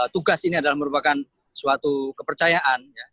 tugas ini adalah merupakan suatu kepercayaan